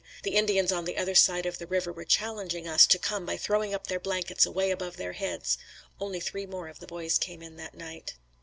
'" The Indians on the other side of the river were challenging us to come by throwing up their blankets way above their heads. Only three more of the boys came in that night.